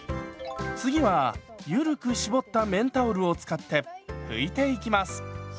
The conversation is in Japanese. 次はゆるく絞った綿タオルを使って拭いていきます。